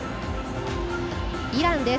イランです。